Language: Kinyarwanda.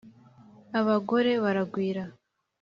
Abagore baragwira